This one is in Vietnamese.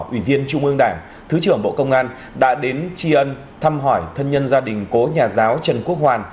ủy viên trung ương đảng thứ trưởng bộ công an đã đến tri ân thăm hỏi thân nhân gia đình cố nhà giáo trần quốc hoàn